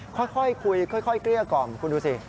ค่อยคุยค่อยเกลี้ยกล่อมคุณดูสิ